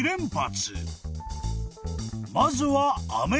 ［まずは］